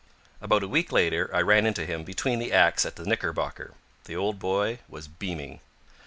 About a week later I ran into him between the acts at the Knickerbocker. The old boy was beaming.